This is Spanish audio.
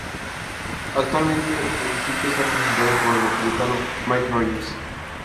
Actualmente el distrito está representado por el Republicano Mike Rogers.